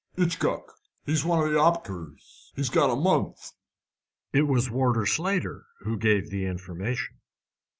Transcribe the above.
"'Itchcock. He's one of the 'oppickers. He's got a month." It was Warder Slater who gave the information.